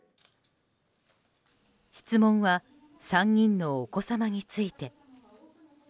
質問は３人のお子様について。